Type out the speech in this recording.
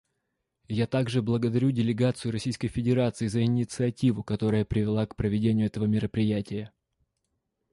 Я также благодарю делегацию Российской Федерации за инициативу, которая привела к проведению этого мероприятия.